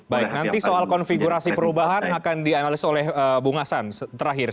baik nanti soal konfigurasi perubahan akan dianalis oleh bung hasan terakhir